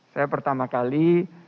saya pertama kali